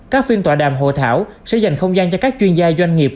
các phiên tọa đàm hội thảo sẽ dành không gian cho các chuyên gia doanh nghiệp